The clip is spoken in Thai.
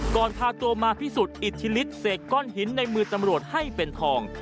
พาตัวมาพิสูจน์อิทธิฤทธเสกก้อนหินในมือตำรวจให้เป็นทอง